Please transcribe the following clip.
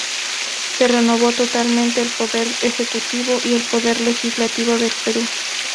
Se renovó totalmente el Poder Ejecutivo y el Poder Legislativo del Perú.